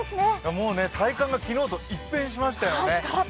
もう体感が昨日と一変しましたよね。